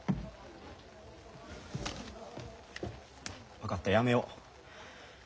分かったやめよう。